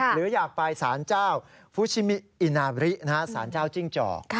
หรืออยากไปสารเจ้าฟุชิมินาบริสารเจ้าจิ้งจอก